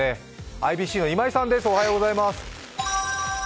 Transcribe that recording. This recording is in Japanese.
ＩＢＣの今井さんです。